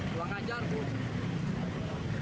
luang ajar tuh